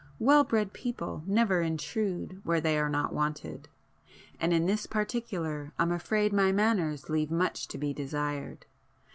Well bred people never intrude where they are not wanted,—and in this particular I'm afraid my manners leave much to be desired.